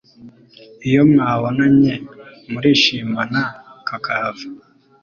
Iyo mwabonanye murishimana kakahava